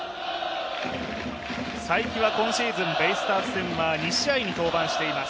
才木は今シーズン、ベイスターズ戦は２試合に登板しています。